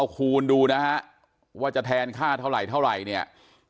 คูณดูนะฮะว่าจะแทนค่าเท่าไหรเท่าไหร่เนี่ย